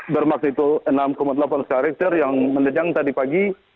bermaksud itu enam delapan karakter yang menejang tadi pagi